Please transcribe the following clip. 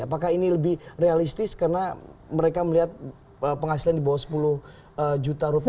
apakah ini lebih realistis karena mereka melihat penghasilan di bawah sepuluh juta rupiah